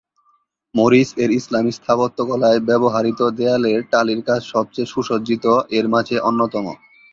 Morris এর ইসলামী স্থাপত্য কলায় ব্যবহারিত দেয়ালের টালির কাজ সবচেয়ে সুসজ্জিত এর মাঝে অন্যতম।